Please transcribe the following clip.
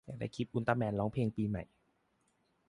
อยากได้คลิปอุลตร้าแมนร้องเพลงปีใหม่